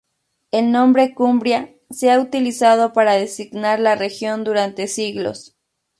El nombre "Cumbria" se ha utilizado para designar la región durante siglos.